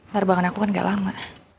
penerbangan aku kan gak lama